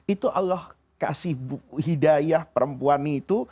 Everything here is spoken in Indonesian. itu allah kasih hidayah perempuan itu